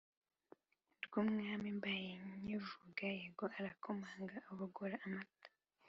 rw’umwami mbaye nkivuga yego arakomangana abogora amata"